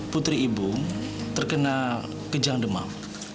putri ibu terkena kejang demam